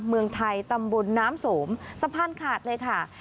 เมืองไทยตำบลน้ำสมสะพานขาดเลยค่ะ